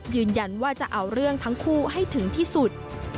ยืนยันว่าจะเอาเรื่องทั้งคู่ให้ถึงที่สุด